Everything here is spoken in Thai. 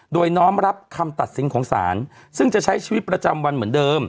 โดยน้อมรับคำตัดสินของศาลซึ่งจะใช้ชีวิตประจำวันเหมือนเดิม